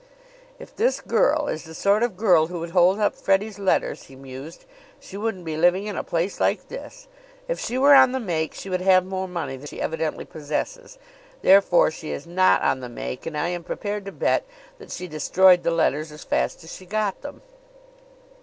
"If this girl is the sort of girl who would hold up Freddie's letters," he mused, "she wouldn't be living in a place like this. If she were on the make she would have more money than she evidently possesses. Therefore, she is not on the make; and I am prepared to bet that she destroyed the letters as fast as she got them."